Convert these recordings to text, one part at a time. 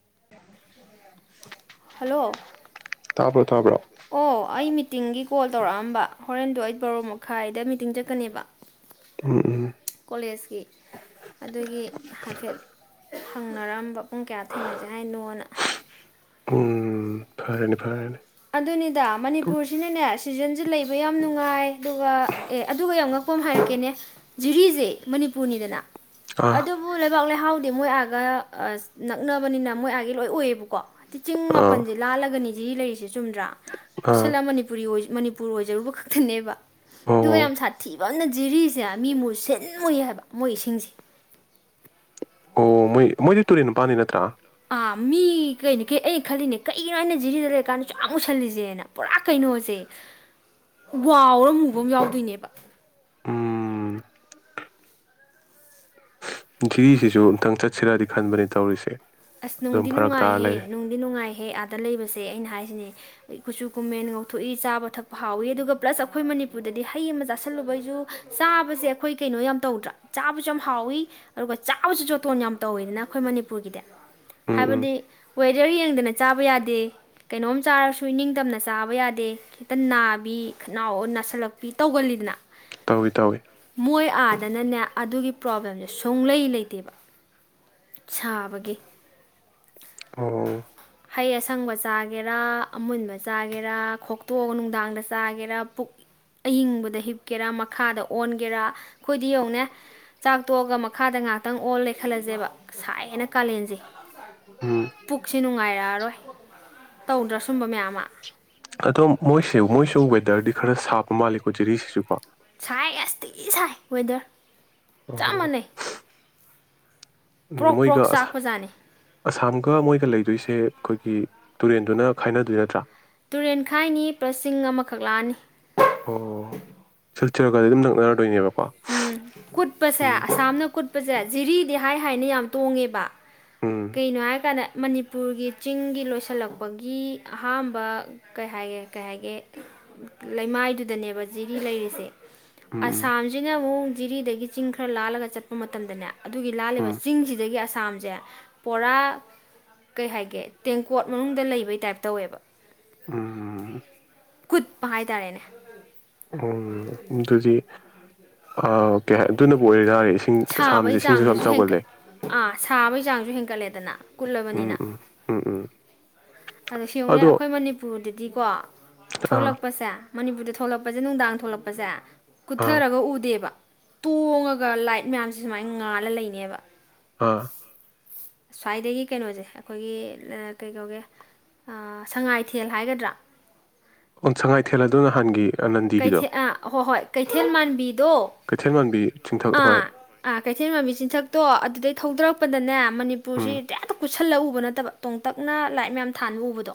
ꯎ ꯍꯜꯂꯣ ꯑꯣ ꯑꯩ ꯃꯤꯇꯤꯡꯒꯤ ꯀꯣꯜ ꯇꯧꯔꯛꯑꯝꯕ ꯍꯣꯔꯦꯟꯗꯣ ꯑꯩꯠ ꯕꯔꯣꯔꯣ ꯃꯈꯥꯏꯗ ꯃꯤꯇꯤꯡ ꯆꯠꯀꯅꯦꯕ ꯎ ꯎꯝ ꯎꯝ ꯀꯣꯂꯦꯖꯀꯤ ꯑꯗꯨꯒꯤ ꯍꯥꯏꯐꯦꯠ ꯍꯪꯅꯔꯝꯕ ꯄꯨꯡ ꯀꯌꯥ ꯊꯦꯡꯅꯖꯩ ꯍꯥꯏꯅꯣꯅ ꯎꯝ ꯐꯔꯦꯅꯦ ꯐꯔꯦꯅꯦ ꯑꯗꯨꯅꯤꯗ ꯎꯝ ꯃꯅꯤꯄꯨꯔꯁꯤꯅꯅꯦ ꯁꯤꯖꯟꯁꯦ ꯂꯩꯕ ꯌꯥꯝ ꯅꯨꯡꯉꯥꯏ ꯑꯗꯨꯒ ꯑꯦ ꯑꯗꯨꯒ ꯌꯥꯝ ꯉꯛꯄ ꯑꯃ ꯍꯥꯏꯔꯛꯀꯦꯅꯦ ꯖꯤꯔꯤꯁꯦ ꯃꯅꯤꯄꯨꯔꯅꯤꯗꯅ ꯑꯥ ꯑꯗꯨꯕꯨ ꯂꯩꯕꯥꯛ ꯂꯩꯍꯥꯎ ꯍꯥꯏꯗꯤ ꯃꯣꯏ ꯑꯥꯒ ꯅꯛꯅꯕꯅꯤꯅ ꯃꯣꯏ ꯑꯥꯒꯤ ꯂꯣꯏ ꯑꯣꯏꯌꯦꯕꯀꯣ ꯇ ꯆꯤꯡ ꯑꯥ ꯃꯥꯄꯜꯁꯦ ꯂꯥꯜꯂꯒꯅꯤ ꯖꯤ ꯂꯩꯁꯦ ꯆꯨꯝꯗ꯭ꯔꯥ ꯑꯥ ꯀꯣꯠꯁꯜꯂ ꯃꯅꯤꯄꯨꯔꯤ ꯎꯄꯨꯔ ꯑꯣꯏꯖꯔꯨꯕ ꯈꯛꯇꯅꯦꯕ ꯑꯣ ꯗꯨꯕꯩ ꯌꯥꯝ ꯁꯥꯇꯤ ꯌꯥꯝꯅ ꯖꯤꯔꯤꯁꯦ ꯃꯤ ꯃꯣꯏ ꯁꯤꯟꯃꯣꯏ ꯍꯥꯏꯕ ꯃꯣꯏ ꯏꯁꯤꯡꯁꯦ ꯑꯣ ꯃꯣꯏ ꯃꯣꯏꯗꯤ ꯇꯨꯔꯦꯟ ꯅꯨꯄꯥꯥꯟꯅꯤ ꯅꯠꯇ꯭ꯔꯥ ꯑꯥ ꯃꯤ ꯀꯩꯅꯣ ꯀꯩ ꯑꯩꯅ ꯈꯜꯂꯤꯅꯦ ꯀꯒꯤꯅꯣ ꯑꯩꯅ ꯖꯤꯔꯤꯗ ꯂꯩꯔꯀꯥꯟꯗꯁꯨ ꯌꯥꯝ ꯃꯨꯁꯜꯂꯤꯁꯦꯅ ꯄꯨꯔꯥ ꯀꯩꯅꯣꯁꯦ ꯋꯥꯎꯔ ꯃꯨꯕ ꯑꯃ ꯌꯥꯎꯗꯣꯏꯅꯦꯕ ꯎꯝ ꯈꯤꯔꯤꯁꯤꯁꯨ ꯑꯃꯨꯛꯇꯪ ꯆꯠ ꯁꯤꯔꯗꯤ ꯈꯟꯕꯅꯤ ꯇꯧꯔꯤꯁꯦ ꯑꯁ ꯑꯗꯨꯝ ꯅꯨꯡꯗꯤ ꯐꯔꯛ ꯇꯥꯔ ꯅꯨꯡꯉꯥꯏꯍꯦ ꯂꯩꯔꯦ ꯅꯨꯡꯗꯤ ꯅꯨꯡꯉꯥꯏꯍꯦ ꯑꯥꯗ ꯂꯩꯕꯁꯦ ꯑꯩꯅ ꯍꯥꯏꯁꯤꯅꯦ ꯀꯨꯆꯨ ꯀꯨꯃꯦꯟ ꯉꯧꯊꯣꯛꯏ ꯆꯥꯕ ꯊꯛꯄ ꯍꯥꯎꯏꯤ ꯑꯗꯨꯒ ꯄ꯭ꯂꯁ ꯑꯩꯈꯣꯏ ꯃꯅꯤꯄꯨꯔꯗꯗꯤ ꯍꯩ ꯑꯃ ꯆꯥꯥꯁꯜꯂꯨꯕꯩꯁꯨ ꯆꯥꯕꯁꯦ ꯑꯩꯈꯣꯏ ꯀꯩꯅꯣ ꯌꯥꯝ ꯇꯧꯗ꯭ꯔꯥ ꯆꯥꯕꯁꯨ ꯌꯥꯝ ꯍꯥꯎꯏꯤ ꯑꯗꯨꯒ ꯆꯥꯕꯁꯨ ꯆꯣꯇꯣꯟ ꯌꯥꯝ ꯇꯧꯋꯤꯗꯅ ꯑꯩꯈꯣꯏ ꯃꯅꯤꯄꯨꯔꯒꯤꯗꯤ ꯎꯝ ꯎꯝ ꯍꯥꯏꯕꯗꯤ ꯋꯦꯗꯔ ꯌꯦꯡꯗꯅ ꯆꯥꯕ ꯌꯥꯗꯦ ꯀꯩꯅꯣꯝ ꯆꯥꯔꯁꯨ ꯏꯅꯤꯡꯇꯝꯅ ꯆꯥꯕ ꯌꯥꯗꯦ ꯈꯤꯇ ꯅꯥꯕꯤ ꯈꯅꯥꯎ ꯅꯥꯁꯤꯜꯂꯛꯄꯤ ꯇꯧꯒꯜꯂꯤꯗꯅ ꯇꯧꯏ ꯇꯧꯏ ꯃꯣꯏ ꯑꯥꯗꯅꯅꯦ ꯑꯗꯨꯒꯤ ꯄ꯭ꯔꯣꯕ꯭ꯂꯦꯝꯁꯦ ꯁꯣꯡꯂꯩ ꯂꯩꯇꯦꯕ ꯁꯥꯕꯒꯤ ꯑꯣ ꯍꯩ ꯑꯁꯪꯕ ꯆꯥꯒꯦꯔꯥ ꯑꯃꯨꯟꯕ ꯆꯥꯒꯦꯔꯥ ꯈꯣꯛꯇꯣꯛꯑꯒ ꯅꯨꯡꯗꯥꯡꯗ ꯆꯥꯒꯦꯔꯥ ꯄꯨꯛ ꯑꯌꯤꯡꯕꯗ ꯍꯤꯞꯀꯦꯔꯥ ꯃꯈꯥꯗ ꯑꯣꯟꯒꯦꯔꯥ ꯑꯩꯈꯣꯏꯗꯤ ꯌꯧꯅꯦ ꯆꯥꯛꯇꯣꯛꯑꯒ ꯃꯈꯥꯗ ꯉꯍꯥꯛꯇꯪ ꯑꯣꯜꯂꯦ ꯈꯜꯂꯁꯦꯕ ꯁꯥꯏꯅ ꯀꯥꯂꯦꯟꯁꯦ ꯌꯥꯝꯥꯏ ꯎꯝ ꯈꯂꯟ ꯁꯤ ꯅꯨꯡꯉꯥꯏꯔꯛꯑꯔꯣꯏ ꯇꯧꯗ꯭ꯔꯥ ꯁꯨꯝꯕ ꯃꯌꯥꯝ ꯑꯃ ꯗꯔꯗꯤ ꯈꯔ ꯁꯥꯞꯄ ꯃꯥꯜꯂꯤꯦꯀꯣ ꯖꯤꯔꯤꯁꯤꯁꯨꯀꯣ ꯁꯥꯏ ꯑꯁꯇꯤ ꯁꯥꯏ ꯋꯦꯗꯔ ꯆꯞ ꯑ ꯃꯥꯟꯅꯩ ꯄ꯭ꯔꯣꯛ ꯄ꯭ꯔꯣꯛ ꯆꯥꯛꯄꯖꯥꯠꯅꯤ ꯑꯁꯥꯝꯒ ꯃꯣꯏꯒ ꯂꯩꯗꯣꯏꯁꯦ ꯑꯩꯈꯣꯏꯒꯤ ꯇꯨꯔꯦꯟꯗꯨꯅ ꯈꯥꯏꯅꯗꯣꯏ ꯅꯠꯇ꯭ꯔꯥ ꯇꯨꯔꯦꯟꯈꯥꯏꯅꯤ ꯄ꯭ꯂꯁꯤꯡ ꯑꯃꯈꯛ ꯂꯥꯛꯑꯅꯤ ꯆꯠꯔꯛꯒꯗꯤ ꯑꯗꯨꯝ ꯅꯛꯅꯔꯗꯣꯏꯅꯦꯕ ꯎꯝ ꯀꯨꯠꯕꯁꯦ ꯑꯁꯥꯝꯅ ꯀꯨꯠ ꯆꯤꯠꯄꯁꯦ ꯖꯤꯔꯤꯗꯤ ꯍꯥꯏ ꯍꯥꯏꯅ ꯌꯥꯝ ꯇꯣꯡꯉꯦꯕ ꯎꯝ ꯀꯩꯅꯣꯉ ꯀꯅ ꯃꯅꯤꯄꯨꯔꯒꯤ ꯆꯤꯡꯒꯤ ꯂꯣꯏꯁꯤꯜꯂꯛꯄꯒꯤ ꯑꯍꯥꯝꯕ ꯀꯩ ꯍꯥꯏꯒꯦ ꯀꯩ ꯍꯥꯏꯒꯦ ꯂꯩꯃꯥꯏꯗꯨꯗꯅꯦꯕ ꯖꯤꯔꯤ ꯂꯩꯔꯤꯁꯦ ꯎꯝ ꯎꯝ ꯑꯁꯥ ꯖꯤꯛꯅ ꯑꯃꯨꯛ ꯖꯤꯔꯤꯗꯒꯤ ꯆꯤꯡ ꯈꯔ ꯂꯥꯜꯂꯒ ꯆꯠꯄ ꯃꯇꯝꯗꯅꯦ ꯑꯗꯨꯒꯤ ꯂꯥꯜꯂꯤꯕ ꯎꯝ ꯆꯤꯡꯁꯤꯗꯒꯤ ꯑꯁꯥꯝꯁꯦ ꯄꯣꯔꯥ ꯀꯩ ꯍꯥꯏꯒꯦ ꯇꯦꯡꯀꯣꯠ ꯃꯅꯨꯡꯗ ꯂꯩꯕꯩ ꯇꯥꯏꯞ ꯇꯧꯋꯦꯕ ꯎ ꯀꯨꯠꯄ ꯍꯥꯏꯇꯥꯔꯦꯅꯦ ꯎꯝ ꯑꯗꯨꯗꯤ ꯑ ꯑꯣꯀꯦ ꯑꯗꯨꯅꯕꯨ ꯑꯣꯏꯔ ꯁꯥꯕꯒꯤ ꯆꯥꯡꯗꯨꯁꯨ ꯍꯦꯟꯀꯠ ꯑꯥ ꯁꯥꯕꯩ ꯆꯥꯡꯁꯨ ꯍꯦꯟꯀꯠꯂꯦꯗꯅ ꯎꯝ ꯀꯨꯜꯂꯕꯅꯤꯅ ꯎꯝ ꯎꯝ ꯎꯝ ꯑꯗꯣ ꯁꯤꯡꯧꯅꯦ ꯑꯩꯈꯣꯏ ꯃꯅꯤꯄꯨꯔꯗꯗꯤꯀꯣ ꯑꯥ ꯊꯣꯛꯂꯛꯄꯁꯦ ꯃꯅꯤꯄꯨꯔꯗ ꯊꯣꯛꯂꯛꯄꯁꯦ ꯅꯨꯡꯗꯥꯡ ꯊꯣꯛꯂꯛꯄ ꯁꯦ ꯑꯥ ꯀꯨꯊꯔꯒ ꯎꯗꯦꯕ ꯇꯣꯡꯉꯒ ꯂꯥꯏꯠ ꯃꯌꯥꯝꯁꯦ ꯁꯨꯃꯥꯏꯅ ꯉꯥꯜꯂ ꯂꯩꯅꯦꯕ ꯑꯥ ꯁ꯭ꯋꯥꯏꯗꯒꯤ ꯀꯩꯅꯣꯁꯦ ꯑꯩꯈꯣꯏꯒꯤ ꯀꯩ ꯀꯧꯒꯦ ꯁꯉꯥꯏꯊꯦꯜ ꯍꯥꯏꯒꯗ꯭ꯔꯥ ꯑꯣ ꯁꯉꯥꯏꯊꯦꯜ ꯑꯗꯣ ꯅꯍꯥꯟꯒꯤ ꯅꯟꯗꯤꯒꯤꯗꯣ ꯀꯩꯊꯦꯜ ꯍꯣꯏ ꯍꯣꯏ ꯀꯩꯊꯦꯜ ꯃꯥꯟꯕꯤꯗꯣ ꯀꯩꯊꯦꯜ ꯃꯥꯟꯕꯤ ꯆꯤꯡꯊꯛ ꯍꯣꯏ ꯑꯥꯥ ꯀꯩꯊꯦꯜ ꯃꯥꯟꯕꯤ ꯆꯤꯟꯊꯛꯇꯣ ꯑꯗꯨꯗꯩ ꯊꯧꯗꯔꯛꯄꯗꯅꯦꯅꯤ ꯎꯝ ꯁꯤ ꯎꯨꯞꯁꯜꯂꯒ ꯎꯕ ꯅꯠꯇꯕ ꯇꯣꯡꯇꯛꯅ ꯂꯥꯏꯠ ꯃꯌꯥꯝ ꯊꯥꯟꯕ ꯎꯕꯗꯣ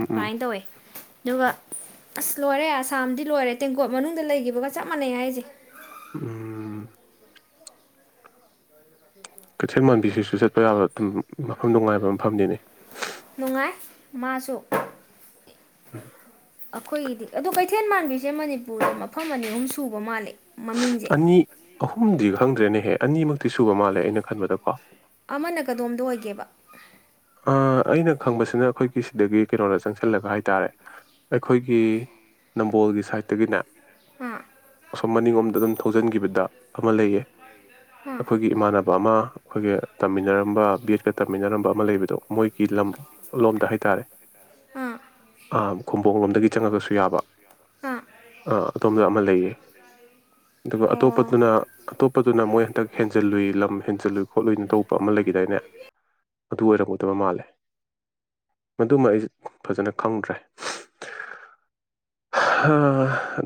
ꯎꯝ ꯎꯝ ꯇꯥꯏ ꯇꯧꯋꯦ ꯑꯗꯨꯒ ꯑꯁ ꯂꯣꯏꯔꯦ ꯑꯁꯥꯝꯗꯤ ꯂꯣꯏꯔꯦ ꯇꯦꯡꯀꯣꯠ ꯃꯅꯨꯡꯗ ꯂꯩꯈꯤꯕꯒ ꯆꯞ ꯃꯥꯟꯅꯩ ꯍꯥꯏꯁꯦ ꯎꯝ ꯀꯩꯊꯦꯜ ꯃꯥꯟꯕꯤꯁꯤꯁꯨ ꯆꯠꯄ ꯌꯥꯕ ꯑꯗꯨꯝ ꯃꯐꯝ ꯅꯨꯡꯉꯥꯏꯕ ꯃꯐꯝꯗꯨꯅꯤ ꯃꯥꯁꯨꯛ ꯑꯩꯈꯣꯏꯒꯤꯗꯤ ꯑꯗꯣ ꯀꯩꯊꯦꯜ ꯃꯥꯟꯕꯤꯁꯦ ꯃꯅꯤꯄꯨꯔꯗ ꯃꯐꯝ ꯑꯅꯤ ꯑꯍꯨꯝ ꯁꯨꯕ ꯃꯥꯜꯂꯦ ꯃꯃꯤꯡꯁꯦ ꯑꯅꯤ ꯑꯍꯨꯝꯗꯤ ꯈꯪꯗ꯭ꯔꯦꯅꯦꯍꯦ ꯑꯅꯤꯃꯛꯇ ꯤ ꯁꯨꯕ ꯃꯥꯜꯂꯦ ꯑꯩꯅ ꯈꯟꯕꯗꯀꯣ ꯑꯃꯅ ꯀꯗꯣꯝꯗ ꯑꯣꯏꯒꯦꯕ ꯑꯩꯅ ꯈꯪꯕꯁꯤꯅ ꯑꯩꯈꯣꯏꯒꯤ ꯁꯤꯗꯒꯤ ꯀꯩꯅꯣꯗ ꯆꯪꯁꯜꯂꯒ ꯍꯥꯏꯇꯥꯔꯦ ꯑꯩꯈꯣꯏꯒꯤ ꯅꯝꯕꯣꯜꯒꯤ ꯁꯥꯏꯠꯇꯒꯤꯅꯦ ꯑ ꯁꯁꯣꯝ ꯃꯅꯤꯡꯂꯣꯝꯗ ꯑꯗꯨꯝ ꯊꯧꯖꯟꯈꯤꯕꯗ ꯑꯃ ꯂꯩꯌꯦ ꯑꯥ ꯑꯩꯈꯣꯏꯒꯤ ꯏꯃꯥꯟꯅꯕ [inaudible] ꯑꯃ ꯑꯩꯈꯣꯏꯒꯤ ꯇꯝꯃꯤꯟꯅꯔꯝꯕ ꯕꯤ ꯑꯦꯗꯀ ꯇꯝꯃꯤꯟꯅꯔꯝꯕ ꯑꯃ ꯂꯩꯕꯗ ꯑꯗꯣ ꯃꯣꯏꯒꯤ ꯂꯝ ꯂꯣꯝꯗ ꯍꯥꯏꯇꯥꯔꯦ ꯑꯥ ꯑꯝ ꯈꯣꯡꯕꯣꯡ ꯂꯣꯝꯗꯒꯤ ꯆꯪꯉꯒꯁꯨ ꯌꯥꯕ ꯑꯥ ꯑ ꯁꯣꯝꯗ ꯑꯃ ꯂꯩꯌꯦ ꯑꯗꯨꯒ ꯑꯣ ꯑꯇꯣꯞꯄꯗꯨꯅ ꯑꯇꯣꯞꯄꯗꯨꯅ ꯃꯣꯏ ꯍꯟꯇꯛ ꯍꯦꯟꯖꯜꯂꯨꯏ ꯂꯝ ꯍꯦꯟꯖꯜꯂꯨꯏ ꯈꯣꯠꯂꯣꯏꯅ ꯇꯄ ꯑꯃ ꯂꯩꯈꯤꯗꯥꯏꯅꯦ ꯑꯗꯨ ꯑꯣꯏꯔꯦ ꯕ ꯃꯥꯜꯂꯦ ꯃꯃ ꯑꯩ ꯐꯖꯅ ꯈꯪꯗ꯭ꯔꯦ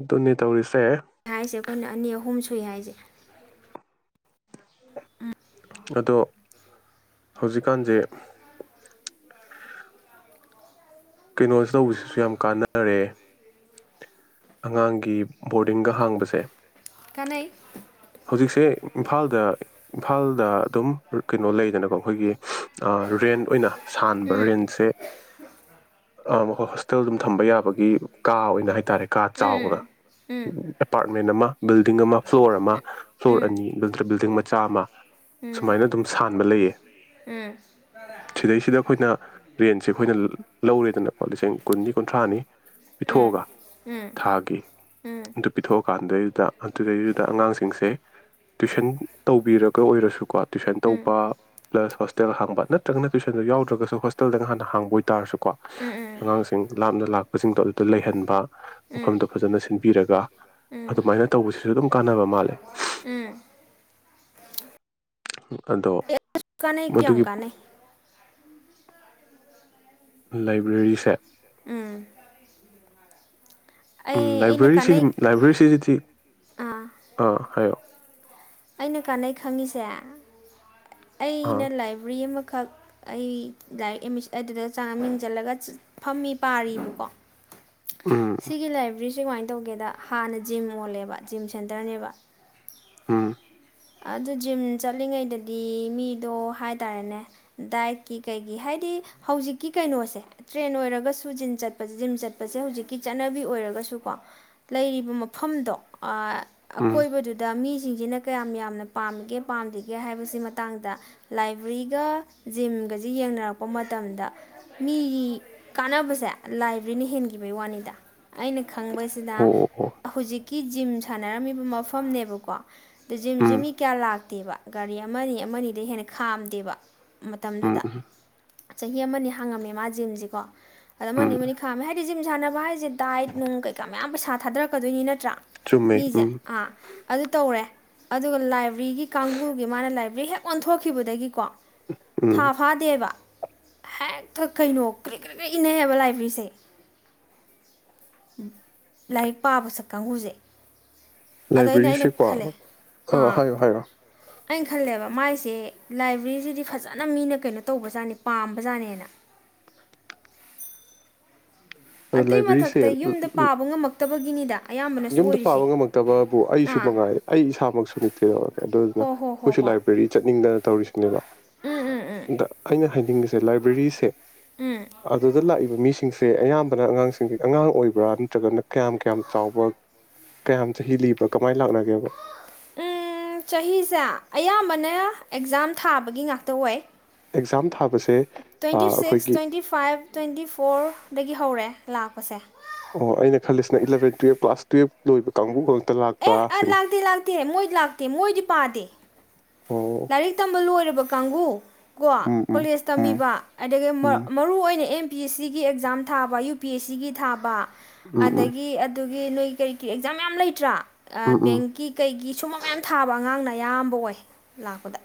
ꯑꯗꯨꯅꯦ ꯇꯧꯔꯤ ꯍꯥꯏꯁꯦ ꯑꯩꯈꯣꯏꯅ ꯑꯅꯤ ꯑꯍꯨꯝ ꯁ ꯁꯨꯏ ꯍꯥꯏꯁꯦ ꯎꯝ ꯑꯗꯣ ꯍꯧꯖꯤꯛꯀꯥꯟꯁꯦ ꯀꯩꯅꯣꯁꯦ ꯇꯧꯕꯁꯤꯁꯨ ꯌꯥꯝ ꯀꯥꯟꯅꯔꯦ ꯑꯉꯥꯡꯒꯤ ꯕꯣꯔꯗꯤꯡꯒ ꯍꯥꯡꯕꯁꯦ ꯀ ꯍꯧꯖꯤꯛꯁꯦ ꯏꯝꯐꯥꯜꯗ ꯏꯝꯐꯥꯜꯗ ꯑꯗꯨꯝ ꯀꯩꯅꯣ ꯂꯩꯗꯅꯀꯣ ꯑꯩꯈꯣꯏꯒꯤ ꯔꯦꯟ ꯑꯣꯏꯅ ꯁꯥꯟꯕ ꯎꯝ ꯔꯤꯟꯁꯦ ꯍꯇꯦꯜ ꯑꯗꯨꯝ ꯊꯝꯕ ꯌꯥꯕꯒꯤ ꯀꯥ ꯑꯣꯏꯅ ꯍꯥꯏꯇꯥꯔꯦ ꯀꯥ ꯆꯥꯎꯅ ꯎꯝ ꯎꯝ ꯑꯦꯄꯥꯔꯠꯃꯦꯟ ꯑꯃ ꯕꯤꯜꯗꯤꯡ ꯑꯃ ꯐ꯭ꯂꯣꯔ ꯑꯃ ꯐ꯭ꯂꯣꯔ ꯎꯝ ꯑꯅꯤ ꯕꯤꯜꯗꯤꯡ ꯃꯆꯥ ꯑꯃ ꯎꯝ ꯁꯨꯃꯥꯏꯅ ꯑꯗꯨꯝ ꯁꯥꯟꯕ ꯂꯩꯌꯦ ꯁꯤꯗꯩꯁꯤꯗ ꯑꯩꯈꯣꯏꯅ ꯔꯦꯟꯁꯦ ꯑꯩꯈꯣꯏꯅ ꯂꯧꯔꯦꯗꯅꯀꯣ ꯂꯤꯁꯤꯡ ꯀꯨꯟꯅꯤ ꯀꯨꯟꯊ꯭ꯔꯥꯅꯤ ꯎꯝ ꯊꯥꯒꯤꯦ ꯎꯝ ꯎꯝ ꯎꯝ ꯑꯗꯨ ꯄꯤꯊꯣꯛꯑꯀꯥꯟꯗꯨꯗꯩꯗꯨꯗ ꯑꯗꯨꯗꯩꯗꯨꯗ ꯑꯉꯥꯡꯁꯤꯡꯁꯦ ꯇꯨꯏꯁꯟ ꯇꯧꯕꯤꯔꯒ ꯑꯣꯏꯔꯁꯨꯀꯣ ꯇꯨꯏꯁꯟ ꯎꯝ ꯇꯧꯕ ꯄ꯭ꯂꯁ ꯍꯣꯁꯇꯦꯜ ꯍꯥꯡꯕ ꯅꯠꯇ꯭ꯔꯒꯅ ꯇ꯭ꯋꯨꯏꯁꯟꯗꯣ ꯌꯥꯎꯗ꯭ꯔꯒꯁꯨ ꯍꯣꯁꯇꯦꯜꯗꯒ ꯍꯥꯟꯅ ꯍꯥꯡꯕ ꯑꯣꯏꯇꯥꯔꯁꯨꯀꯣ ꯑꯉꯥꯡꯁꯤꯡ ꯂꯥꯞꯅ ꯂꯥꯛꯄꯁꯤꯡꯗꯣ ꯑꯗꯨꯗ ꯂꯩꯍꯟꯕ ꯎꯝ ꯎꯝ ꯃꯐꯝꯗ ꯐꯖꯅ ꯁꯤꯟ ꯄꯤꯔꯒ ꯎꯝ ꯎꯝ ꯑꯗꯨꯃꯥꯏꯅ ꯇꯧꯕꯁꯤꯁꯨ ꯑꯗꯨꯝ ꯀꯥꯟꯅꯕ ꯃꯥꯜꯂꯦ ꯎꯝ ꯑꯗꯣ ꯀꯥꯅꯩ ꯀꯌꯥꯝ ꯃꯗꯨꯒꯤ ꯀꯥꯅꯩ ꯂꯥꯏꯕ꯭ꯔꯦꯔꯤꯁꯦ ꯎꯝ ꯎꯝ ꯑꯩ ꯑꯩꯅ ꯂꯥꯏꯕ꯭ꯔꯦꯔꯤꯁꯤ ꯀꯥꯟꯅꯩ ꯂꯥꯏꯕ꯭ꯔꯦꯔꯤꯁꯤꯁꯤꯗꯤ ꯑꯥ ꯑꯥ ꯍꯥꯏꯌꯣ ꯑꯩꯅ ꯀꯥꯟꯅꯩ ꯈꯪꯉꯤꯁꯦ ꯑꯥ ꯑꯩꯅ ꯂꯥꯏꯕ꯭ꯔꯦꯔꯤ ꯑꯃ ꯈꯛ ꯑꯩ ꯗꯥꯏꯔꯦꯛꯃꯤ ꯑꯗꯨꯗ ꯆꯪꯉ ꯃꯤꯡꯁꯤꯜꯂꯒ ꯐꯝꯃꯤ ꯄꯥꯔꯤꯕꯔꯤꯕꯀꯣ ꯎꯝ ꯁꯤꯒꯤ ꯂꯥꯏꯕ꯭ꯔꯦꯔꯤ ꯁꯤ ꯀꯃꯥꯏꯅ ꯇꯧꯒꯦꯗ ꯍꯥꯟꯅ ꯖꯤꯝ ꯑꯣꯜꯂꯦꯕ ꯖꯤꯝ ꯁꯦꯟꯇꯔꯅꯦꯕ ꯎꯝ ꯑꯗꯨ ꯖꯤꯝ ꯆꯠꯂꯤꯉꯩꯗꯗꯤ ꯃꯤꯗꯣ ꯍꯥꯏ ꯇꯥꯔꯦꯅꯦ ꯗꯥꯏꯠꯀꯤ ꯀꯩꯒꯤ ꯍꯥꯏꯗꯤ ꯍꯧꯖꯤꯛꯀꯤ ꯀꯩꯅꯣꯁꯦ ꯇ꯭ꯔꯦꯟ ꯑꯣꯏꯔꯒꯁꯨ ꯖꯤꯝ ꯆꯠꯄꯁꯦ ꯖꯤꯝ ꯆꯠꯄꯁꯦ ꯍꯧꯖꯤꯛꯀꯤ ꯆꯠꯅꯕꯤ ꯑꯣꯏꯔꯒꯁꯨꯀꯣ ꯂꯩꯔꯤꯕ ꯃꯐꯝꯗꯣ ꯑ ꯎꯝ ꯑꯀꯣꯏꯕꯗꯨꯗ ꯃꯤ ꯁꯤꯡꯁꯤꯅ ꯀꯌꯥꯝ ꯌꯥꯝ ꯌꯥꯝꯅ ꯄꯥꯝꯒꯦ ꯄꯥꯝꯗꯒꯦ ꯍꯥꯏꯕꯁꯤ ꯃꯇꯥꯡꯗ ꯂꯥꯏꯕ꯭ꯔꯦꯔꯤꯒ ꯖꯤꯝꯒꯁꯤ ꯌꯦꯡꯅꯔꯛꯄ ꯃꯇꯝꯗ ꯃꯤꯒꯤ ꯀꯥꯟꯅꯕꯁꯦ ꯂꯥꯏꯕꯔꯦꯔꯤꯅ ꯍꯦꯟꯈꯤꯕꯒꯤ ꯋꯥꯅꯤꯗ ꯑꯩꯅ ꯈꯪꯕꯁꯤꯅ ꯑꯣ ꯑꯣ ꯑꯣ ꯍꯧꯖꯤꯛꯀꯤ ꯖꯤꯝ ꯁꯥꯟꯅꯔꯝꯃꯤꯕ ꯃꯐꯝꯅꯦꯕꯀꯣ ꯖꯤꯝꯖꯤ ꯎꯝ ꯃꯤ ꯂꯥꯛꯇꯦꯕ ꯒꯥꯔꯤ ꯑꯃꯅꯤ ꯑꯃꯅꯤꯗꯩ ꯍꯦꯟꯅ ꯈꯥꯝꯗꯦꯕ ꯎꯝ ꯃꯇꯝꯗꯨꯗ ꯎꯝ ꯆꯍꯤ ꯑꯃꯅꯤ ꯍꯥꯡꯉꯝꯃꯦ ꯃꯥ ꯖꯤꯝꯁꯤꯀꯣ ꯑꯗ ꯑꯃꯅꯤ ꯎꯝ ꯑꯃꯅꯤ ꯈꯥꯝꯃꯦ ꯍꯥꯏꯗꯤ ꯖꯤꯝ ꯁꯥꯟꯅꯕ ꯍꯥꯏꯔꯤꯁꯦ ꯗꯥꯏꯠ ꯅꯨꯡ ꯀꯩꯀꯥ ꯃꯌꯥꯝ ꯄꯩꯁꯥ ꯊꯥꯗꯔꯛꯀꯗꯣꯏꯅꯤ ꯅꯠꯇ꯭ꯔꯥ ꯆꯨꯝꯃꯦ ꯃꯤꯁꯦ ꯎꯝ ꯑꯥ ꯑꯗꯨ ꯇꯧꯔꯦ ꯑꯗꯨꯒ ꯂꯥꯏꯐ ꯕꯔꯤꯒꯤ ꯀꯥꯡꯕꯨꯒꯤ ꯃꯥꯅ ꯂꯥꯏꯕ꯭ꯔꯦꯔꯤ ꯍꯦꯛ ꯑꯣꯟꯊꯣꯛꯈꯤꯕꯗꯒꯤꯀꯣ ꯎꯝ ꯊꯥ ꯐꯥꯗꯦꯕ ꯍꯦꯛꯇ ꯀꯩꯅꯣ ꯀ꯭ꯔꯤꯛ ꯀ꯭ꯔꯤꯛ ꯏꯅꯩꯌꯦꯕ ꯂꯥꯏꯕꯔꯦꯔꯤꯁꯦ ꯂꯥꯏꯔꯤꯛ ꯄꯥꯕ ꯁꯛ ꯀꯥꯡꯕꯨꯨꯁꯦ ꯂꯥꯏꯕ꯭ꯔꯦꯔꯤꯁꯦꯀꯣ ꯑ ꯑꯥ ꯍꯥꯏꯌꯣ ꯍꯥꯏꯌꯣ ꯑꯩꯅ ꯈꯜꯂꯦꯕ ꯃꯥꯏꯁꯦ ꯂꯥꯏꯕ꯭ꯔꯦꯔꯤꯁꯤꯗꯤ ꯐꯖꯅ ꯃꯤꯅ ꯀꯩꯅꯣ ꯇꯧꯕꯖꯥꯠꯅꯤ ꯄꯥꯝꯕꯖꯥꯠꯅꯦꯅ ꯑꯗ ꯑꯗꯨꯏ ꯂꯥꯏꯕ꯭ꯔꯦꯔꯤꯁꯦ ꯃꯊꯛꯇ ꯌꯨꯝꯗ ꯄꯥꯕ ꯉꯝꯃꯛ ꯊꯕꯛ ꯒꯤꯅꯤ ꯗꯥ꯫ ꯌꯨꯃꯗꯥ ꯄꯥꯕꯥ ꯉꯃꯛꯇꯕꯥ ꯕꯨ ꯏꯁꯨ ꯑꯥ ꯃꯉ꯭ꯒꯦꯔꯦ ꯑꯩ ꯑꯦꯁꯥ ꯃꯛ ꯁꯨ ꯑꯗꯨꯅꯥ ꯍꯣ ꯍꯣ ꯑꯈꯣꯏ ꯍꯣ ꯁꯨ ꯍꯣꯏ ꯂꯥꯏꯕ꯭ꯔꯦꯔꯤ ꯆ꯭ꯇꯅꯤꯡꯗꯅꯥ ꯇ꯭ꯕꯤꯁꯤꯡ ꯅꯦ ꯕꯥ ꯎꯝ ꯎꯝ ꯎꯝ ꯗꯥ ꯑꯩꯅꯥ꯫ ꯍꯥꯏꯗ ꯑꯦꯅꯖꯤꯁꯥꯏ ꯂꯥꯏꯕ꯭ꯔꯦꯔꯤ ꯁꯦ꯫ ꯎꯝ ꯑꯗꯨꯗꯥ ꯂꯀꯦꯕꯥ ꯃꯤ ꯁꯤꯡ ꯁꯦ꯫ ꯑꯌꯃꯕꯅꯥ ꯑꯉ꯭ꯒꯪ ꯁꯤꯡ ꯑꯉ꯭ꯒꯪ ꯑꯣꯏꯕ꯭ꯔꯥ ꯅ꯭ꯠꯠꯔꯥꯒꯥꯅꯥ ꯀꯤꯝ ꯀꯤꯝ ꯆꯥꯑꯣꯕ꯭ꯔꯥ꯫ ꯀꯤꯝ ꯆꯥꯍꯤ ꯂꯤꯕꯥ ꯀꯃꯩ ꯂꯀꯥꯅꯥꯒꯦꯕꯥ꯫ ꯎꯝ ꯆꯥꯍꯤ ꯁꯦ ꯑꯌꯥꯝꯕꯅꯥ꯫ ꯄꯔꯤꯈꯥ ꯊꯥꯕꯥꯒꯤ ꯉꯛꯇꯥ ꯑꯣꯏ꯫ ꯑꯦꯀꯖꯥꯝ ꯊꯥꯕꯥꯁ ꯇꯧꯕꯥ꯫ ꯇꯔꯥꯅꯤꯄꯥꯜ ꯇꯔꯥ ꯃꯉꯥ ꯇꯔꯥ ꯃꯔꯤ ꯗꯥꯒꯤ ꯄꯨꯡ꯫ ꯂꯥꯀꯄꯥꯁꯦ꯫ ꯑꯣꯍ ꯑꯩꯅꯥ ꯈ꯭ꯂꯤ ꯁꯤ ꯅꯥ ꯑꯦꯂꯦꯚꯦꯟ ꯇꯔꯥ ꯀ꯭ꯂꯥꯁ ꯂꯣꯏꯕꯥ ꯀꯥꯡꯒꯨ ꯈꯇꯥ ꯂꯥꯛ꯫ ꯏꯍ ꯂꯛꯇꯦ ꯂꯛꯇꯦ ꯃꯣꯏ ꯂꯛꯇꯦ ꯃꯣꯏ ꯗꯤ ꯄꯥꯗꯦ꯫ ꯑꯣ ꯂꯥꯏꯔꯤꯛ ꯇꯝꯕ ꯂꯣꯏꯔꯕ ꯀꯥꯡꯕꯨ ꯀꯣ ꯎꯝ ꯎꯝ ꯀꯣꯂꯦꯖ ꯎꯝ ꯇꯝꯃꯤꯕ ꯑꯗꯒꯤ ꯎꯝ ꯃꯔꯨ ꯑꯣꯏꯅ ꯑꯦꯝ ꯌ ꯄꯤ ꯑꯦꯁ ꯁꯤꯒꯤ ꯑꯦꯛꯖꯥꯝ ꯊꯥꯕ ꯌꯨ ꯄꯤ ꯑꯦꯁ ꯁꯤꯒꯤ ꯊꯥꯕ ꯎꯝ ꯎꯝ ꯑꯗꯥꯒꯤ ꯑꯗꯨ꯫ ꯏ ꯅꯣꯏ ꯀꯔꯤ ꯀꯔꯤ ꯄꯔꯤꯈꯥ ꯃꯌꯥꯝ ꯂꯦꯏꯠꯔꯥ꯫ ꯑꯥ ꯎꯝ ꯎꯝ ꯕꯦꯉ꯭ꯛ ꯒꯤ ꯀꯦꯏꯒꯤ ꯁꯨꯝꯕꯥ ꯃꯌꯥꯝ ꯊꯥꯕꯥ ꯑꯉ꯭ꯒꯪ ꯂꯀꯦ꯫ ꯑꯌꯥꯝꯕꯥ ꯑꯣꯏ꯫ ꯂꯥꯀꯄꯗꯥ꯫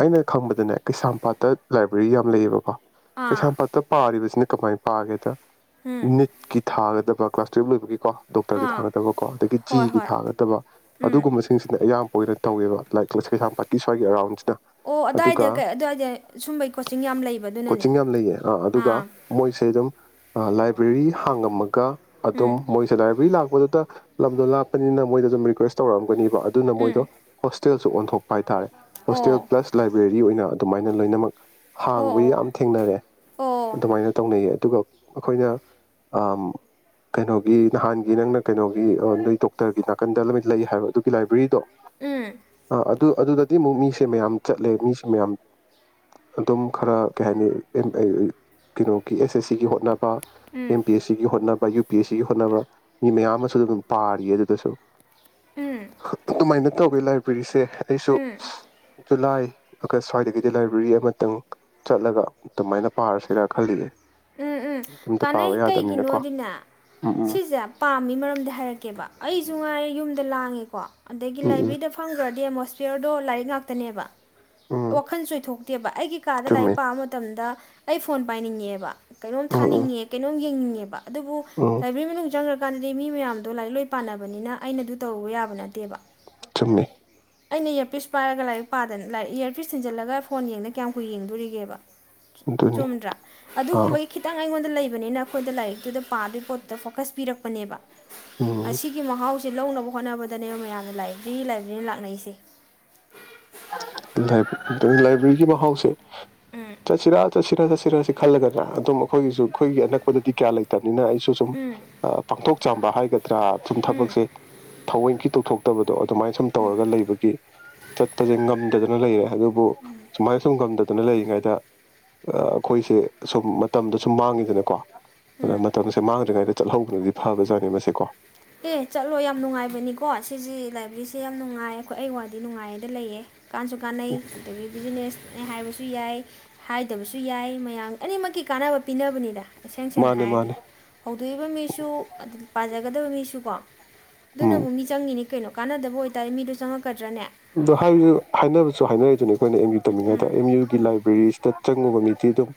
ꯑꯩꯅꯥ ꯈꯪꯕꯗꯥ ꯅꯦ ꯀꯦꯌꯁꯃꯄꯠ ꯗꯥ ꯂꯥꯏꯕ꯭ꯔꯦꯔꯤ ꯌꯝꯝ ꯂꯦꯏꯌꯦ ꯕꯥ ꯀꯣ꯫ ꯑꯥ ꯀꯩꯝ ꯄꯄꯥ ꯄꯄꯥꯔꯤꯕ ꯕꯁꯅꯤ ꯀꯃꯩ ꯄꯦꯖ ꯗꯥ꯫ ꯎꯝ ꯅꯤꯠ ꯒꯤ ꯊꯒꯥꯗꯥ꯫ ꯒꯥ ꯀ꯭ꯂꯥꯁ ꯇꯔꯥ ꯂꯣꯏꯕꯥꯒꯤ꯫ ꯀꯣ ꯗꯣꯛꯇꯔꯒꯤ ꯑꯥ ꯊꯥꯒꯗꯕ ꯀꯣ ꯑꯗꯒꯤ ꯍꯣꯏ ꯖꯤꯒꯤ ꯍꯣꯏ ꯊꯥꯒꯗꯕ ꯎꯝ ꯑꯗꯨꯒꯨꯝꯕꯁꯤꯡꯁꯤꯅ ꯑꯌꯥꯝꯕ ꯑꯣꯏꯅ ꯇꯧꯋꯕ ꯂꯥꯏꯛ ꯀꯩꯁꯥꯝ ꯄꯠꯀꯤ ꯍꯣꯏꯦꯔꯥꯎꯟ ꯑꯣ ꯑꯗꯥꯏꯗ ꯑꯗꯨꯒ ꯀꯩ ꯑꯗꯨꯋꯥꯏꯗ ꯁꯨꯝꯕꯩ ꯀꯣꯆꯤꯡ ꯌꯥꯝ ꯂꯩꯕ ꯑꯗꯨꯅꯅꯦ ꯀꯣꯆꯤꯡ ꯌꯥꯝ ꯂꯩꯌꯦ ꯑ ꯑꯗꯨꯒ ꯑꯥ ꯃꯣꯏꯁꯦ ꯑꯗꯨꯝ ꯂꯥꯏꯕ꯭ꯔꯦꯔꯤ ꯍꯥꯡꯉꯝꯃꯒ ꯎꯝ ꯑꯗꯨꯝ ꯃꯣꯏꯁꯦ ꯂꯥꯏꯕ꯭ꯔꯦꯔꯤ ꯂꯥꯛ ꯗꯇ ꯂꯝꯗꯣ ꯂꯥꯛꯄꯅꯤꯅ ꯃꯣꯏꯗ ꯑꯗꯨꯝ ꯔꯤꯀ꯭ꯋꯦꯁ ꯇꯧꯔꯛꯑꯝꯒꯅꯤ ꯑꯗꯨꯅꯥ ꯎꯝ ꯃꯣꯏꯗꯨ ꯍꯣꯁ꯭ꯠ꯫ ꯇꯔꯥ ꯁꯨ ꯑꯣꯟꯊꯣꯀꯄꯥ ꯍꯥꯌ ꯇꯥꯔꯦ꯫ ꯍꯣꯁ꯭ꯇꯦꯜ ꯑꯣ ꯄ꯭ꯂꯥꯁ ꯂꯥꯏꯕ꯭ꯔꯦꯔꯤ ꯂꯩ꯫ ꯕ ꯑꯣꯏꯅ ꯑꯗꯨꯃꯥꯏꯅ ꯂꯣꯏꯅꯃꯛ ꯍꯥꯡꯕ ꯑꯣ ꯌꯥꯝ ꯊꯦꯡꯅꯔꯦ ꯑꯣ ꯑꯣ ꯑꯗꯨꯃꯥꯏꯅ ꯇꯧꯅꯩ ꯌꯦ ꯑꯗꯨꯒ ꯑꯩꯈꯣꯏꯅ ꯎꯝ ꯀꯩꯅꯣꯒꯤ ꯅꯍꯥꯟꯒꯤ ꯅꯪꯅ ꯀꯩꯅꯣꯒꯤ ꯅꯣꯏꯊꯣꯛꯇꯕꯤ ꯅꯥꯀꯟꯗ ꯂꯣꯏꯅ ꯂꯩꯌꯦ ꯍꯥꯏꯕ ꯑꯗꯨꯒꯤ ꯂꯥꯏꯕ꯭ꯔꯤꯗꯦ ꯎꯝ ꯑꯗꯨꯗ ꯇꯤꯟ ꯃꯣꯃꯤꯁꯦ ꯃꯌꯥꯝ ꯆꯠꯂꯦ ꯃꯤꯁꯦ ꯃꯌꯥꯝ ꯑꯗꯨꯝ ꯈꯔ ꯀꯩ ꯍꯥꯏꯅꯤ [unintelligible] ꯀꯩꯅꯣꯒꯤ ꯑꯦꯁ ꯑꯦꯁ ꯁꯤꯒꯤ ꯍꯣꯠꯅꯕ ꯑꯥ ꯎꯝ ꯑꯦꯝ ꯄꯤ ꯑ ꯁꯤꯒꯤ ꯍꯣꯠꯅꯕ ꯒꯤ ꯄ ꯑ ꯁꯤꯒꯤ ꯍꯣꯠꯅꯕ ꯃꯤ ꯃꯌꯥꯝ ꯑꯃꯁꯨ ꯑꯗꯨꯝ ꯄꯥꯔꯤꯌꯦ ꯑꯗꯨꯗꯁꯨ ꯎꯝ ꯇꯧꯒꯦ ꯂꯥꯏꯕꯤꯔꯤꯁꯦ ꯑꯩꯁꯨ ꯎꯝ ꯖꯨꯂꯥꯏ ꯑꯒꯁ ꯁ꯭ꯋꯥꯏꯗꯒꯤꯗꯤ ꯂꯥꯏꯕ꯭ꯔꯦꯔꯤ ꯑꯃꯇꯪ ꯆꯠꯂꯒ ꯑꯗꯨꯃꯥꯏꯅ ꯄꯥꯔꯁꯤꯔꯥ ꯈꯜꯂꯤꯌꯦ ꯎꯝ ꯎꯝ ꯌꯨꯝꯗ ꯄꯥꯕ ꯀꯥꯟꯅꯩ ꯀꯩꯒꯤꯅꯣ ꯌꯥꯗꯕꯅꯤꯅꯀꯣ ꯗꯤꯅꯦ ꯎꯝ ꯎꯝ ꯁꯤꯁꯦ ꯄꯥꯝꯃꯤ ꯃꯔꯝꯗꯤ ꯍꯥꯏꯔꯛꯀꯦꯕ ꯑꯩꯁꯨ ꯉꯥꯏꯦ ꯌꯨꯝꯗ ꯂꯥꯡꯉꯤꯀꯣ ꯑꯗꯒꯤ ꯎꯝ ꯂꯥꯏꯕ꯭ꯔꯦꯔꯤꯗ ꯐꯪꯈ꯭ꯔꯗꯤ ꯑꯃꯣꯁ ꯆꯤꯌꯔꯗꯣ ꯂꯥꯏꯔꯤꯛ ꯉꯥꯛꯇꯅꯦꯕ ꯎꯝ ꯎꯝ ꯋꯥꯈꯜ ꯆꯣꯏꯊꯣꯛꯇꯦꯕ ꯑꯩꯒꯤ ꯀꯥꯗ ꯆꯨꯝꯃꯦ ꯂꯥꯏꯔꯤꯛ ꯄꯥꯕ ꯃꯇꯝꯗ ꯑꯩ ꯐꯣꯟ ꯄꯥꯏꯅꯤꯡꯉꯦꯕ ꯀꯩꯅꯣꯝ ꯎꯝ ꯎꯝ ꯊꯥꯅꯤꯡꯉꯦ ꯀꯩꯅꯣꯝ ꯌꯦꯡꯅꯤꯡꯉꯦ ꯑꯗꯨꯕꯨ ꯎꯝ ꯂꯥꯏꯕ꯭ꯔꯦꯔꯤ ꯃꯅꯨꯡ ꯆꯪꯒꯔꯥ ꯀꯥꯟꯂꯤ꯫ ꯃꯤ ꯃꯌꯥꯝꯗꯣ ꯂꯥꯏꯔꯤꯛ ꯂꯣꯏ ꯄꯥꯅꯕꯅꯤꯅ ꯑꯩꯅꯗꯨ ꯇꯧꯔꯨꯕ ꯌꯥꯕ ꯅꯠꯇꯦꯕ ꯊꯨꯝꯃꯦ ꯑꯩꯅ ꯏꯌꯥꯔ ꯄꯤꯁ ꯄꯥꯏꯔꯒ ꯂꯥꯏꯔꯤꯛ ꯄꯥꯗꯅ ꯏꯌꯥꯔ ꯄꯤꯁ ꯊꯤꯟꯖꯜꯂꯒ ꯐꯣꯟ ꯌꯦꯡꯗ ꯀꯌꯥꯝ ꯀꯨꯏ ꯌꯦꯡꯗꯣꯔꯤꯒꯦꯕ ꯑꯗꯨꯅꯤ ꯆꯨꯝꯗ꯭ꯔꯥ ꯑꯥ ꯑꯗꯨꯒꯨꯝꯕꯒꯤ ꯑꯩꯉꯣꯟꯗ ꯂꯩꯕꯅꯤꯅ ꯑꯩꯈꯣꯏꯗ ꯂꯥꯏꯔꯤꯛꯇꯨꯗ ꯄꯥꯗꯣꯏ ꯄꯣꯠꯇꯨꯗ ꯐꯣꯀꯁ ꯄꯤꯔꯛꯄꯅꯦꯕ ꯎꯝ ꯑꯁꯤꯁꯤꯒꯤ ꯃꯍꯁ ꯖꯤꯟ ꯂꯧꯅꯕ ꯍꯣꯠꯅꯕꯗꯅꯦꯕ ꯃꯌꯥꯝꯅ ꯂꯥꯏꯕꯦꯔꯤ ꯂꯥꯏꯕꯔꯤ ꯅꯥ ꯂꯥꯛꯅꯔꯤꯁꯤ ꯂꯥꯏꯕ ꯂꯥꯏꯕꯔꯤꯒꯤ ꯃꯍꯥꯁꯦ ꯎꯝ ꯆꯠꯁꯤꯔ ꯆꯠꯁꯤꯔ ꯆꯁꯤ [unintelligible] ꯈꯜꯂꯒꯗꯅꯥ ꯑꯗꯨꯝ ꯑꯩꯈꯣꯏꯒꯤꯁꯨ ꯑꯩꯈꯣꯏꯒꯤ ꯑꯅꯛꯄꯗꯗꯤ ꯀꯌꯥ ꯂꯩꯇꯕ ꯃꯤꯅ ꯑꯩꯁꯨ ꯁꯨꯝ ꯎꯝ ꯄꯥꯡꯊꯣꯛ ꯆꯥꯝꯕ ꯍꯥꯏ ꯇꯔꯥ ꯁꯨꯝ ꯎꯝ ꯊꯕꯛꯁꯦ ꯊꯑꯣꯏꯒꯤ ꯇꯧꯊꯣꯛ ꯇꯕꯗꯣ ꯑꯗꯨꯃꯥꯏꯅ ꯁꯨꯝ ꯇꯧꯔꯒ ꯂꯩꯕꯒꯤ ꯆꯠ ꯍꯟꯗꯗꯅ ꯂꯩꯔꯦ ꯑꯗꯨꯕꯨ ꯁꯨꯃꯥꯏꯅ ꯁꯨꯝꯒꯝꯗ ꯑꯗꯨꯅ ꯂꯩꯔꯤꯉꯩꯗ ꯑꯩꯈꯣꯏꯁꯦ ꯁꯨꯝ ꯃꯇꯝꯗ ꯁꯨꯝ ꯃꯥꯡꯉꯤꯗꯅꯀꯣ ꯎꯝ ꯃ ꯁꯝꯃꯒꯔꯤꯛ ꯍꯥꯏꯥꯏꯦ ꯆꯠꯍꯧꯕꯅꯗꯤ ꯐꯕꯖꯥꯠꯅꯤ ꯃꯁꯦ ꯀꯣ ꯑꯦ ꯆꯠꯂꯣ ꯌꯥꯝ ꯅꯨꯡꯉꯥꯏꯕꯅꯤꯀꯣ ꯁꯤꯁꯤ ꯂꯥꯏꯕ꯭ꯔꯦꯔꯤꯁꯦ ꯌꯥꯝ ꯅꯨꯡꯉꯥꯏ ꯑꯩꯈꯣꯏ ꯑꯩ ꯋꯥꯗꯤ ꯅꯨꯡꯉꯥꯏꯗ ꯂꯩꯌꯦ ꯀꯥꯟꯁꯨ ꯀꯥꯟꯅꯩ ꯑꯗꯒꯤ ꯕꯤꯖꯤꯅꯦꯁ ꯑ ꯍꯥꯏꯕꯁꯨ ꯌꯥꯏ ꯍꯥꯏꯗꯕꯁꯨ ꯌꯥꯏ ꯃꯌꯥꯝ ꯑꯅꯤꯃꯛꯀꯤ ꯀꯥꯟꯅꯕ ꯄꯤꯅꯕꯅꯤꯗ ꯇꯦꯡ ꯁꯦꯡꯅ ꯃꯥꯅꯦ ꯍꯥꯏꯔꯗꯤ ꯃꯥꯅꯦ ꯍꯧꯗꯣꯛꯏꯕ ꯃꯤꯁꯨ ꯑꯗꯨ ꯄꯖꯒꯗ ꯁꯨꯀꯣ ꯎꯝ ꯑꯗꯨꯅꯕꯨ ꯃꯤ ꯆꯪꯉꯤꯅꯦ ꯀꯩꯅꯣ ꯀꯥꯟꯅꯗꯕ ꯑꯣꯏꯇꯥꯔꯦ ꯃꯤꯗꯨ ꯆꯪꯉꯛꯄ ꯑꯗꯨ ꯍꯥꯏ ꯍꯥꯏꯅꯕꯁꯨ ꯍꯥꯏꯅꯔꯔꯤꯗꯨꯅꯤ ꯑꯩꯈꯣꯏꯅ ꯑ ꯌꯨ ꯇꯝꯃꯤꯉꯩꯗ ꯑꯦꯝ ꯌꯨꯒꯤ ꯂꯥꯏꯕ꯭ꯔꯦꯔꯤꯁꯤꯗ ꯆꯪꯉꯨꯕ ꯃꯤꯗꯤ ꯑꯗꯨꯝ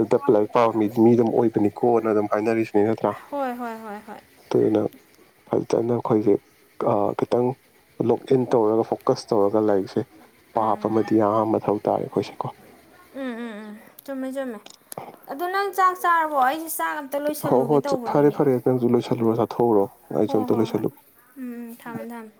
ꯑ ꯇꯞꯄ ꯂꯥꯏꯔꯤꯛ ꯄꯥꯕ ꯃꯤ ꯃꯤ ꯑꯗꯨꯝ ꯑꯣꯏꯕꯅꯤꯀꯣꯅ ꯑꯗꯨꯝ ꯍꯥꯏꯅꯔꯤꯁ ꯒꯗ꯭ꯔꯥ ꯍꯣꯏ ꯍꯣꯏ ꯍꯣꯏ ꯍꯣꯏ ꯑꯗꯨꯅꯪ ꯐ ꯐꯈꯤꯇꯅ ꯑꯩꯈꯣꯏꯁꯦ ꯈꯤꯇꯪ ꯂꯣꯛ ꯏꯟ ꯇꯧꯔꯒ ꯐꯣꯀꯁ ꯇꯧꯔꯒ ꯂꯥꯏꯔꯤꯛꯁꯦ ꯄꯥꯞ ꯑꯃꯗꯤ ꯑ ꯃꯊꯧ ꯇꯥꯔꯦ ꯑꯩꯈꯣꯏꯁꯦꯀꯣ ꯎꯝ ꯎꯝ ꯎꯝ ꯆꯥ ꯋꯥ ꯍ ꯍꯣꯏ ꯐꯔꯦ ꯐꯔꯦ ꯂꯣꯏ ꯆꯜꯨ ꯆ ꯊꯧꯔꯣ ꯍꯣꯏ ꯑꯩꯖꯇ ꯍꯣꯏ ꯂꯣꯏ ꯍꯣꯏ ꯆꯂꯨꯒꯦ ꯎꯝ ꯎꯝ ꯊꯝꯃꯦ ꯊꯝꯃꯦ